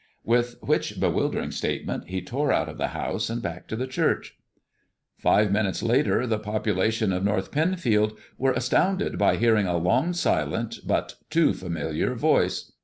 With which bewildering statement he tore out of the house and back to the church. Five minutes later the population of North Penfield were astounded by hearing a long silent, but only too familiar voice.